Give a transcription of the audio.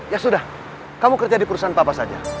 ya sudah kamu kerja di perusahaan papa saja